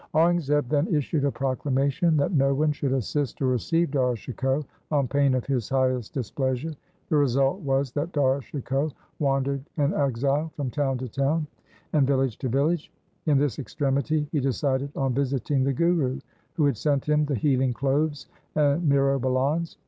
Aurangzeb then issued a proclamation that no one should assist or receive Dara Shikoh on pain of his highest displeasure. The result was that Dara Shikoh wandered an exile from town to town and LIFE OF GURU HAR RAI 301 village to village. In this extremity he decided on visiting the Guru, who had sent him the healing cloves and myrobalans.